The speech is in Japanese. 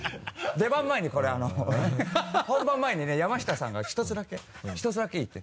出番前にこれ本番前にね山下さんが「１つだけ１つだけ言って」